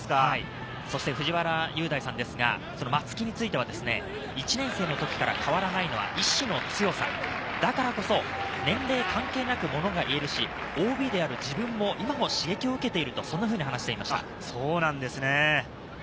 そして藤原優大さんですが、松木については、１年生の時から変わらないのは意思の強さ、だからこそ年齢関係なく、ものが言えるし、ＯＢである自分も今も刺激を受けていると話していました。